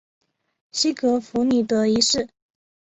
西格弗里德一世。